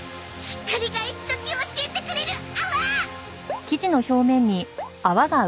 ひっくり返し時を教えてくれる泡！